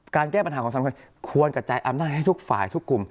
แก้ปัญหาของสังคมควรกระจายอำนาจให้ทุกฝ่ายทุกกลุ่ม